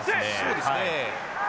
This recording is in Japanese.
そうですね。